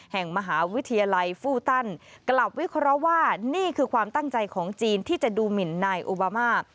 แห่งมหาวิทยาลัยฟูตันกลับวิเคราะห์ว่านี่คือความตั้งใจของจีนที่จะดูหมินนายโอบามา